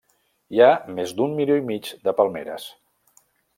Hi ha més d'un milió i mig de palmeres.